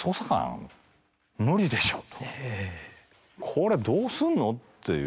これどうすんの？っていう。